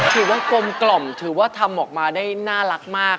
ถือว่ากลมกล่อมถือว่าทำออกมาได้น่ารักมาก